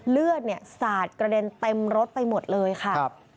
เลือดเนี่ยสาดกระเด็นเต็มรถไปหมดเลยค่ะ